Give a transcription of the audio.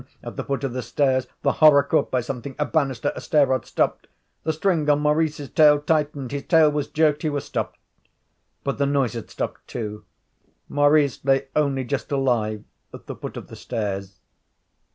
At the foot of the stairs the horror, caught by something a banister a stair rod stopped. The string on Maurice's tail tightened, his tail was jerked, he was stopped. But the noise had stopped too. Maurice lay only just alive at the foot of the stairs.